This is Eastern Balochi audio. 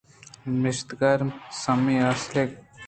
نبشتہ کار: سمی اسھاک